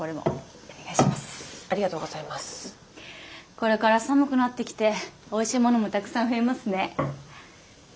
これから寒くなってきておいしいものもたくさん増えますねえ。